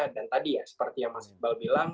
dan tadi ya seperti yang mas iqbal bilang